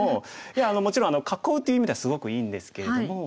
いやもちろん囲うという意味ではすごくいいんですけれども。